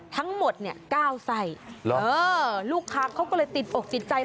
ทั้งหมดเนี่ย๙ไส้ลูกค้าเขาก็เลยติดอกติดใจ